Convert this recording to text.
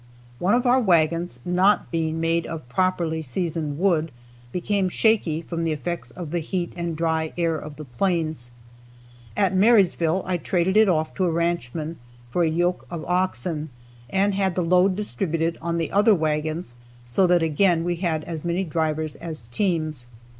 One of our wagons not being made of properly seasoned wood, became shaky from the effects of the heat and dry air of the plains. At Marysville I traded it off to a ranchman for a yoke of oxen and had the load distributed on the other wagons so that again we had as many drivers as teams.